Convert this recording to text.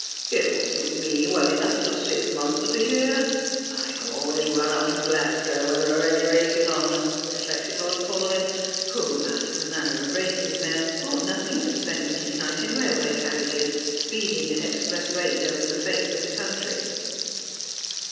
" It'll snit me well enough for six months of the year. I can always run up from Glasgow when there are any races on," reflected Lord Paulyn, who, after the manner of racing men, thought nothing of spending his night in railway carriages, speeding at express rate over the face of the country.